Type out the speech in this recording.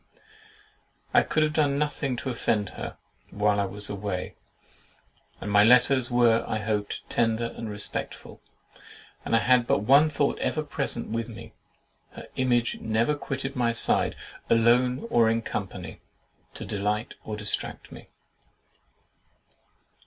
I could have done nothing to offend her while I was away; and my letters were, I hoped, tender and respectful. I had had but one thought ever present with me; her image never quitted my side, alone or in company, to delight or distract me.